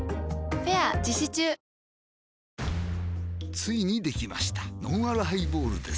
ついにできましたのんあるハイボールです